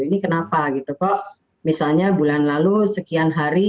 ini kenapa gitu kok misalnya bulan lalu sekian hari